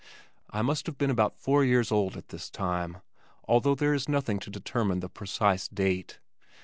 I must have been about four years old at this time, although there is nothing to determine the precise date.